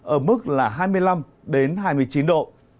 ở mức là hai mươi năm đến hai mươi chín độ